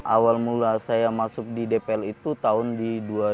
awal mula saya masuk di dpl itu tahun di dua ribu dua